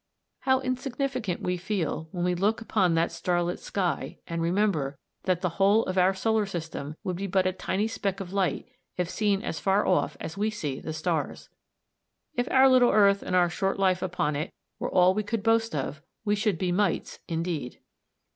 How insignificant we feel when we look upon that starlit sky and remember that the whole of our solar system would be but a tiny speck of light if seen as far off as we see the stars! If our little earth and our short life upon it were all we could boast of we should be mites indeed.